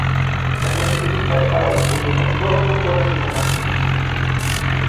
La clase turista estaba disponible en todos los vuelos internacionales.